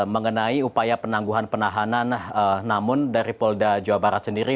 mengenai upaya penangguhan penahanan namun dari polda jawa barat sendiri